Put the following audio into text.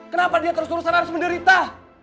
kenapa dia terus terusan harus menderita